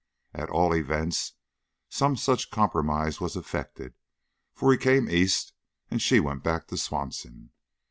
At all events, some such compromise was effected, for he came East and she went back to Swanson.